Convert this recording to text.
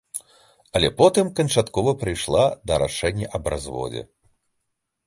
Але потым канчаткова прыйшла да рашэння аб разводзе.